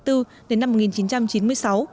từ năm hai nghìn chín